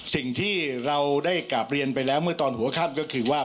สิ่งที่เราได้กลับเรียนไปแล้วเมื่อตอนหัวค่ำก็คือว่า